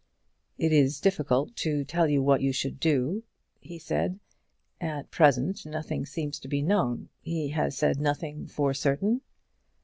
"It is difficult to tell you what you should do," he said. "At present nothing seems to be known. He has said nothing for certain."